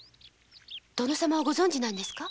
殿様をご存じなんですか？